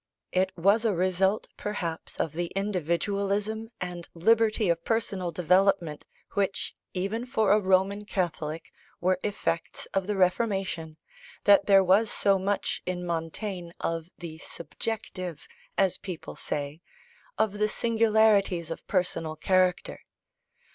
It was a result, perhaps, of the individualism and liberty of personal development, which, even for a Roman Catholic, were effects of the Reformation, that there was so much in Montaigne of the "subjective," as people say, of the singularities of personal character.